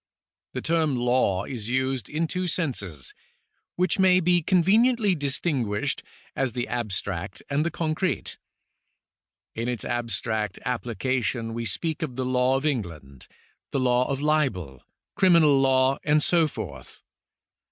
The term law is used in two senses, which may be conveniently distinguished as the abstract and the concrete. In its abstract application we speak of the law of England, the law of libel, criminal law, and so forth.